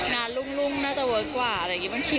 งานรุ่งน่าจะเวิร์คกว่าอะไรอย่างนี้